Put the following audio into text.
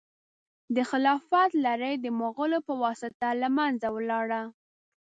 د خلافت لړۍ د مغولو په واسطه له منځه ولاړه.